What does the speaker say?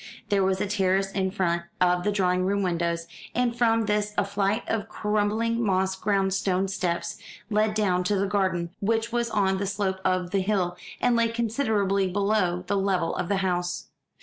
There was a terrace in front of the drawing room windows, and from this a flight of crumbling moss grown stone steps led down to the garden, which was on the slope of the hill, and lay considerably below the level of the house.